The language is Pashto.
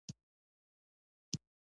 مړه ته د خیر کارونه وکړه